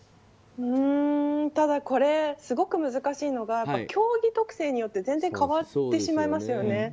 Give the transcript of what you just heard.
ただすごく難しいのが競技特性によって全然変わってしまいますよね。